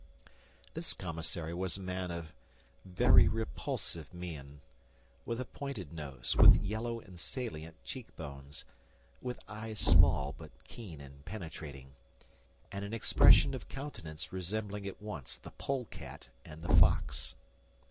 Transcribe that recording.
This commissary was a man of very repulsive mien, with a pointed nose, with yellow and salient cheek bones, with eyes small but keen and penetrating, and an expression of countenance resembling at once the polecat and the fox.